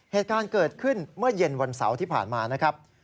เหตุการณ์เกิดขึ้นเมื่อเย็นวันเสาร์ที่ผ่านมานะครับ